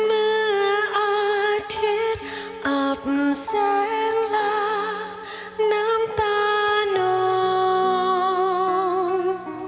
เมื่ออาทิตย์อับแสงลาน้ำตาน้อง